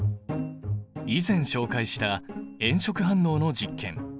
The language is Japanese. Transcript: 以前紹介した炎色反応の実験。